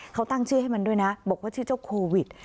เขาตั้งชื่อให้มันด้วยนะบอกว่าชื่อเจ้าโควิด